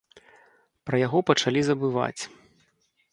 Пра яго пачалі забываць.